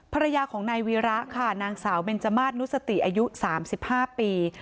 ภรรยาของนายวีระค่ะนางสาวเบนจมาสนุสติอายุ๓๕ปี